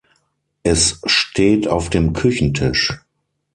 Es steht auf dem Küchentisch.